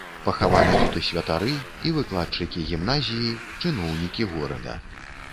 Пахаваны тут і святары, і выкладчыкі гімназіі, чыноўнікі горада.